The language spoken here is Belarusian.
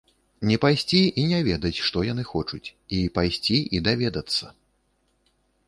Не пайсці і не ведаць, што яны хочуць, і пайсці і даведацца.